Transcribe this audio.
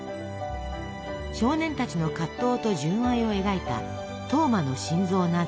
少年たちの葛藤と純愛を描いた「トーマの心臓」など。